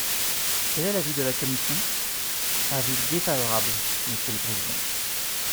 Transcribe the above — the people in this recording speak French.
Quel est l’avis de la commission ? Avis défavorable, monsieur le président.